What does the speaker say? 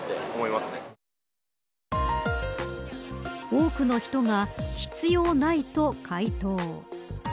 多くの人が、必要ないと回答。